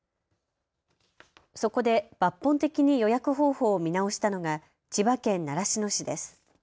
そこで抜本的に予約方法を見直したのが千葉県習志野市です。